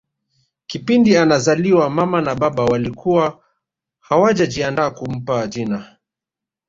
Kipindi anazaliwa mama na baba walikuwa hawajajiandaa kumpa jina